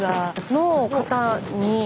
の方に。